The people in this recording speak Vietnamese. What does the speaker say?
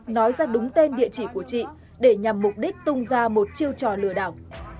nói ra đúng tên địa chỉ của chị để nhằm mục đích tung ra một chiêu trò lừa đảo